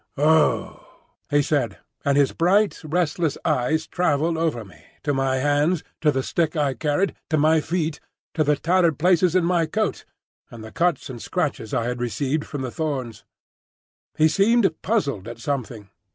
"Oh!" he said, and his bright, restless eyes travelled over me, to my hands, to the stick I carried, to my feet, to the tattered places in my coat, and the cuts and scratches I had received from the thorns. He seemed puzzled at something.